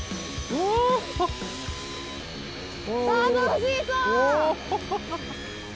お楽しそう！